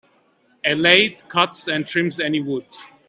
A lathe cuts and trims any wood.